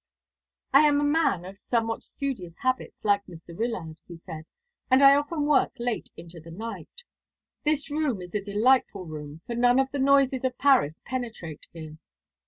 "I am a man of somewhat studious habits, like Mr. Wyllard," he said, "and I often work late into the night. This room is a delightful room, for none of the noises of Paris penetrate here.